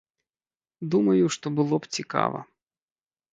Думаю, што было б цікава.